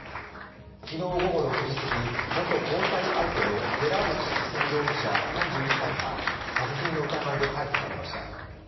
昨日午後６時過ぎ、元交際相手の寺内進容疑者３１歳が殺人の疑いで逮捕されました。